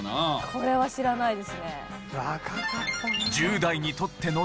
これは知らないですね。